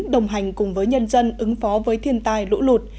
đồng hành cùng với nhân dân ứng phó với thiên tai lũ lụt